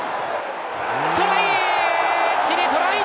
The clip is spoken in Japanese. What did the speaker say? トライ！